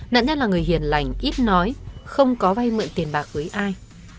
nạn nhân là người hiền lành ít nói không có vay mượn tiền bạc với ai